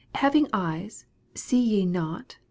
18 Having eyes, see ye not ?